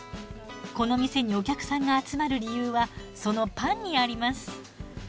この店にお客さんが集まる理由はそのパンにあります。